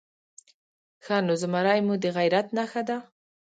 _ښه نو، زمری مو د غيرت نښه ده؟